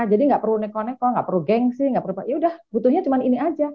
jadi nggak perlu neko neko nggak perlu geng sih yaudah butuhnya cuma ini aja